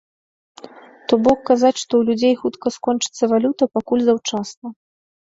То бок, казаць, што ў людзей хутка скончыцца валюта, пакуль заўчасна.